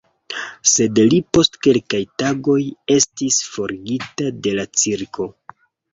Sed li post kelkaj tagoj estis forigita de la cirko.